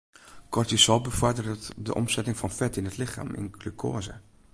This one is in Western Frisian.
Kortisol befoarderet de omsetting fan fet yn it lichem yn glukoaze.